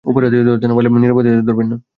অপরাধীদের ধরতে না পরলে নিরাপরাধীদের ধরবেন না।